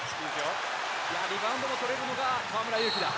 リバウンドもとれるのが、河村勇輝だ。